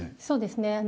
そうですね。